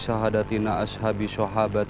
oh kalau enggak jangan